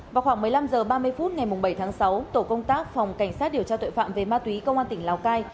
vào khoảng một mươi năm h ba mươi phút ngày bảy tháng sáu tổ công tác phòng cảnh sát điều tra tội phạm về ma túy công an tỉnh lào cai